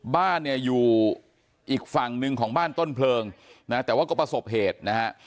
บ้านเนี่ยอยู่อีกฝั่งหนึ่งของบ้านต้นเพลิงนะแต่ว่าก็ประสบเหตุนะฮะ